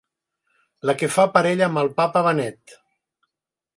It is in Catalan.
La que fa parella amb el papa Benet.